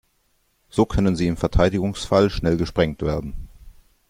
So können sie im Verteidigungsfall schnell gesprengt werden.